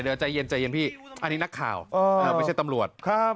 เดี๋ยวใจเย็นใจเย็นพี่อันนี้นักข่าวไม่ใช่ตำรวจครับ